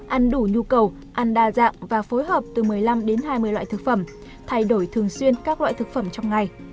ăn đủ nhu cầu ăn đa dạng và phối hợp từ một mươi năm đến hai mươi loại thực phẩm thay đổi thường xuyên các loại thực phẩm trong ngày